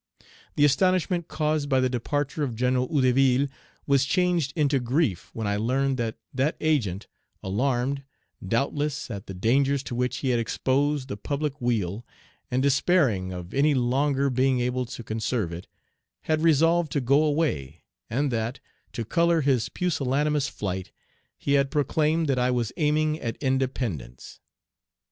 The astonishment caused by the departure of General Hédouville was changed into grief when I learned that that Agent, alarmed, doubtless, at the dangers to which he had exposed the public weal, and despairing of any longer being able to conserve it, had resolved to go away, and that, to color his pusillanimous flight, he had proclaimed that I was aiming at independence.